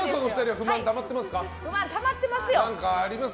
不満、たまってますよ。